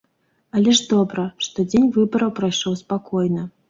Але ж добра, што дзень выбараў прайшоў спакойна.